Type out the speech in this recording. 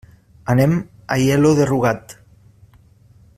Anem a Aielo de Rugat.